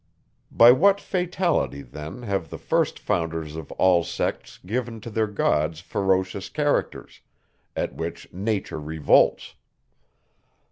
By what fatality then, have the first founders of all sects given to their gods ferocious characters, at which nature revolts?